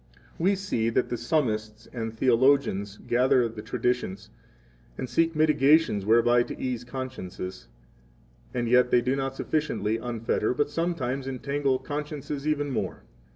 We see that the summists and theologians gather the traditions, and seek mitigations whereby to ease consciences, and yet they do not sufficiently unfetter, but sometimes entangle, consciences even more.